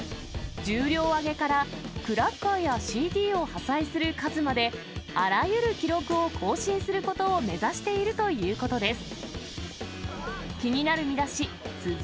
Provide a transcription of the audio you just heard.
重量挙げからクラッカーやＣＤを破砕する数まで、あらゆる記録を更新することを目指しているということです。